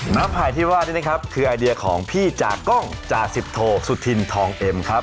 ้าไผ่ที่ว่านี่นะครับคือไอเดียของพี่จากกล้องจ่าสิบโทสุธินทองเอ็มครับ